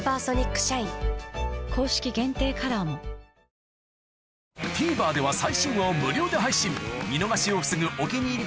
サントリーからＴＶｅｒでは最新話を無料で配信見逃しを防ぐ「お気に入り」